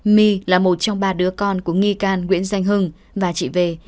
my là một trong ba đứa con của nghi can nguyễn danh hưng và chị về